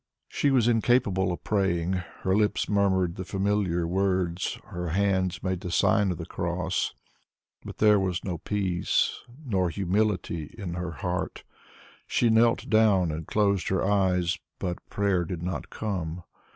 She was incapable of praying; her lips murmured the familiar words, her hands made the sign of the cross, but there was no peace nor humility in her heart. She knelt down and closed her eyes, but prayer did not come.